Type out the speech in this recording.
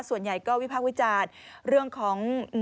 ส่วนใหญ่ก็วิพากษ์วิจารณ์เรื่องของ